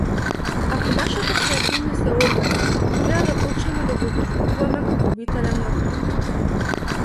Ако нашата креативност е орган, треба да почнеме да го доживуваме како витален орган.